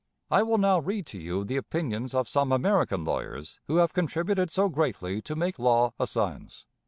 I will now read to you the opinions of some American lawyers who have contributed so greatly to make law a science.